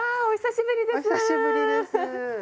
お久しぶりです。